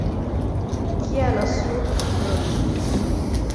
Chi è lassù, fr.